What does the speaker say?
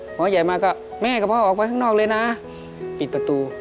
หมอใหญ่มาก็แม่กับพ่อออกไปข้างนอกเลยนะปิดประตู